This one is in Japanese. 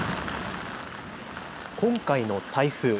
今回の台風。